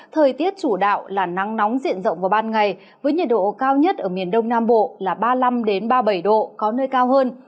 thời tiết chủ đạo là nắng nóng diện rộng vào ban ngày với nhiệt độ cao nhất ở miền đông nam bộ là ba mươi năm ba mươi bảy độ có nơi cao hơn